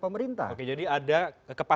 pemerintah oke jadi ada